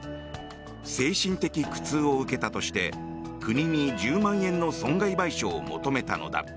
精神的苦痛を受けたとして国に１０万円の損害賠償を求めたのだ。